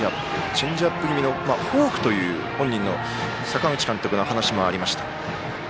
チェンジアップ気味のフォークという阪口監督の話もありました。